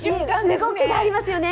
動きがありますよね。